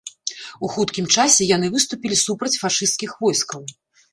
У хуткім часе яны выступілі супраць фашысцкіх войскаў.